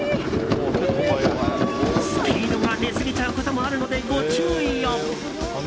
スピードが出すぎちゃうこともあるのでご注意を。